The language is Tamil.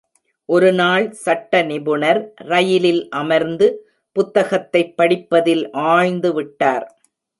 ஒரு நாள், சட்ட நிபுணர் ரயிலில் அமர்ந்து, புத்தகத்தைப் படிப்பதில் ஆழ்ந்து விட்டார்.